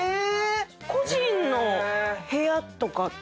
個人の部屋とかって？